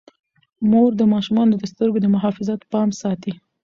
مور د ماشومانو د سترګو د محافظت پام ساتي.